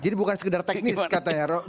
bukan sekedar teknis katanya